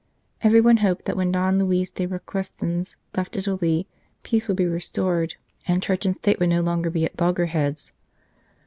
Everyone hoped that when Don Luis de Requesens left Italy peace would be restored, and Church and State would no longer be at logger heads.